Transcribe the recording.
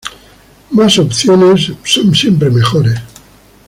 Más opciones son siempre mejores".